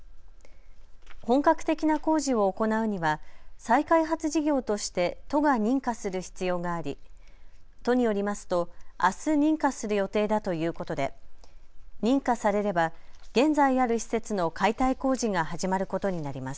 本格的な工事を行うには再開発事業として都が認可する必要があり都によりますとあす認可する予定だということで認可されれば現在ある施設の解体工事が始まることになります。